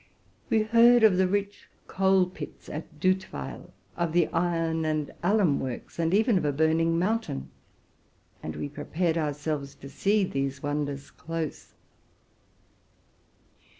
We heard of the rich coal pits at Dutweil, of the iron and alum works, and even of a burning mountain ; and we prepared ourselves to see these wonders close.